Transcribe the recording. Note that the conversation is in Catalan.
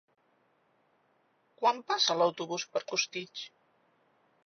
Quan passa l'autobús per Costitx?